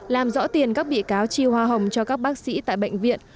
làm rõ tiền các bị cáo chi hoa hồng cho các bác sĩ tại bệnh viện